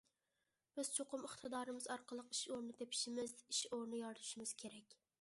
بىز چوقۇم ئىقتىدارىمىز ئارقىلىق ئىش ئورنى تېپىشىمىز، ئىش ئورنى يارىتىشىمىز كېرەك.